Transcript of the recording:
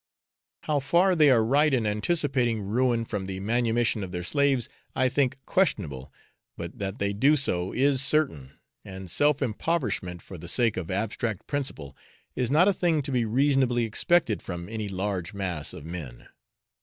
How far they are right in anticipating ruin from the manumission of their slaves I think questionable, but that they do so is certain, and self impoverishment for the sake of abstract principle is not a thing to be reasonably expected from any large mass of men.